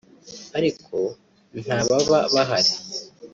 ariko nta baba bahari